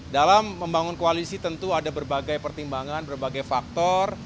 dalam membangun koalisi tentu ada berbagai pertimbangan berbagai faktor